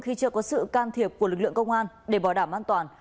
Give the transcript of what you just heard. khi chưa có sự can thiệp của lực lượng công an để bảo đảm an toàn